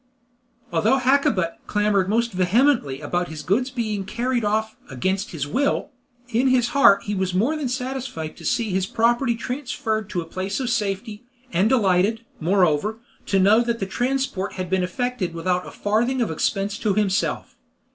Although Hakkabut clamored most vehemently about his goods being carried off "against his will," in his heart he was more than satisfied to see his property transferred to a place of safety, and delighted, moreover, to know that the transport had been effected without a farthing of expense to himself.